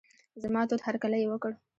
زما تود هرکلی یې وکړ.